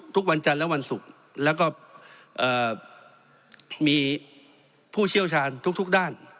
ทุกวันจันทร์และวันศุกร์แล้วก็มีผู้เชี่ยวชาญทุกด้าน